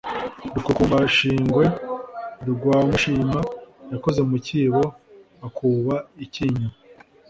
Rukukumbashingwe rwa Mushimwa yakoze mucyibo akuba icyinyo